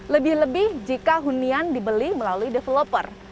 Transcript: lebih lebih jika hunian dibeli melalui developer